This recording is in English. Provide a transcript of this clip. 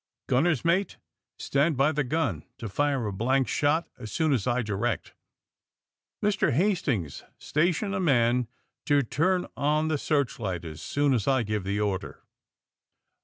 Gunner's mate, stand by the gun to fire a blank shot as soon as I direct. Mr. Hastings, station a mar to turn on the searchlight as soon as I give the order."